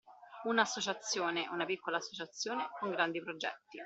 Una associazione, una piccola associazione, con grandi progetti.